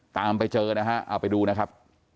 ตามไปเจอนะฮะเอาไปดูนะครับ